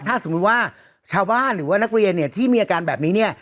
ถ้าสมมุติว่าชาวบ้านหรือว่านักเรียนเนี่ยที่มีอาการแบบนี้เนี่ย